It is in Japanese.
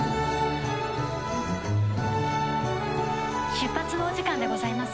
出発のお時間でございます